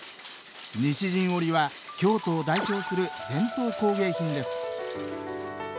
西陣織は京都を代表する伝統工芸品です。